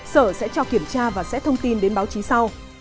sở sẽ cho kiểm tra và sẽ thông tin đến báo chí sau